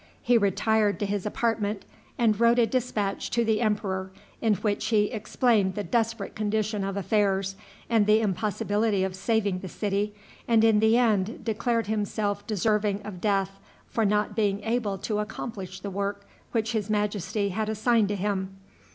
He retired to his apartment, and wrote a dispatch to the emperor, in which he explained the desperate condition of affairs, and the impossibility of saving the city, and in the end declared himself deserving of death for not being able to accomplish the work which his majesty had assigned to him.